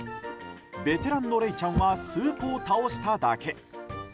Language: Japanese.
ベテランのレイちゃんは数個を倒しただけ。